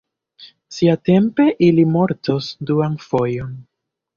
Siatempe ili mortos duan fojon.